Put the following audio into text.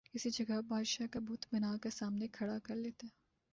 کسی جگہ بادشاہ کا بت بنا کر سامنے کھڑا کرلیتے